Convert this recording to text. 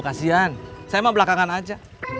kasian saya emang belakangan aja